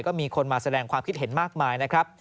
ก็มีคนมาแสดงความคิดเห็นมากมายนะครับ